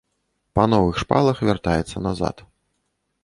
Па новых шпалах вяртаецца назад.